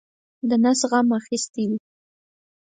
د نس غم اخیستی وي.